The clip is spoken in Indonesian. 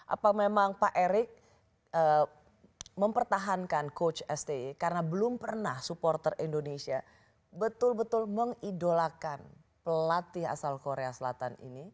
apa memang pak erick mempertahankan coach sti karena belum pernah supporter indonesia betul betul mengidolakan pelatih asal korea selatan ini